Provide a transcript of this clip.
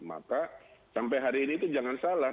maka sampai hari ini itu jangan salah